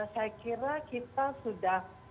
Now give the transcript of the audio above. saya kira kita sudah